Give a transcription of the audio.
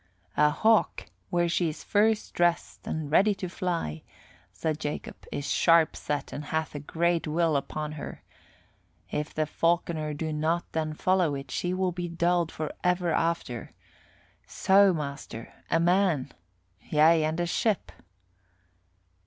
"A hawk, when she is first dressed and ready to fly," said Jacob, "is sharp set and hath a great will upon her. If the falconer do not then follow it, she will be dulled for ever after. So, master, a man! Yea, and a ship."